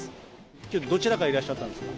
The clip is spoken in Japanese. きょう、どちらからいらっしゃったんですか？